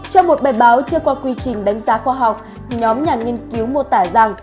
trong một bài báo chưa qua quy trình đánh giá khoa học nhóm nhà nghiên cứu mô tả rằng